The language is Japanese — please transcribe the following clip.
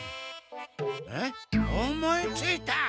あっ思いついた！